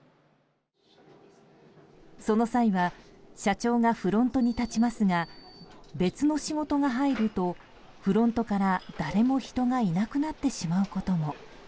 その際は社長がフロントに立ちますが別の仕事が入るとフロントから誰も人がいなくなってしまうことも。